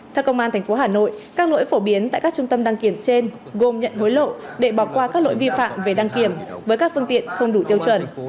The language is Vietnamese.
theo công an tp hà nội các lỗi phổ biến tại các trung tâm đăng kiểm trên gồm nhận hối lộ để bỏ qua các lỗi vi phạm về đăng kiểm với các phương tiện không đủ tiêu chuẩn